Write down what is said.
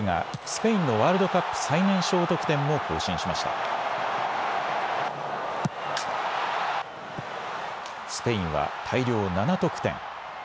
スペインは大量７得点。